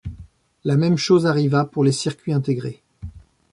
La même chose arriva pour les circuits intégrés.